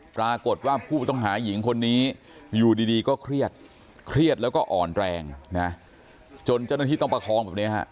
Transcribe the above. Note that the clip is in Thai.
ปรากฏว่าผู้ต้องหาหญิงคนนี้อยู่ดีก็เครียดเครียดแล้วก็อ่อนแรงนะจนเจ้าหน้าที่ต้องประคองแบบนี้ฮะ